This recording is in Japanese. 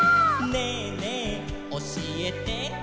「ねえねえおしえて」